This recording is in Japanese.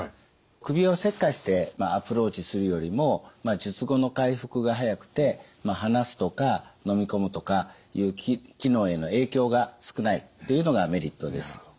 首を切開してアプローチするよりも術後の回復が早くて話すとか飲み込むとかいう機能への影響が少ないというのがメリットです。